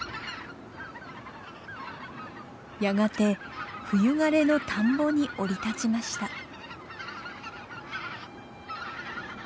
やがて冬枯れの田んぼに降り立ちました。